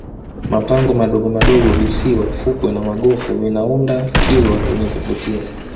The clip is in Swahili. mapango madogomadogo visiwa fukwe na magofu vinaiunda kilwa yenye kuvutia